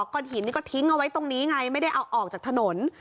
ก้อนหินนี่ก็ทิ้งเอาไว้ตรงนี้ไงไม่ได้เอาออกจากถนน